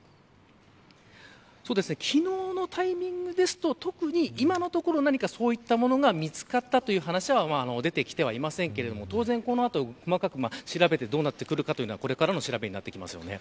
昨日のタイミングですと、特に今のところそういったものが見つかったという話は出てきていませんが当然この後細かく調べてどうなってくるかというのはこれからになります。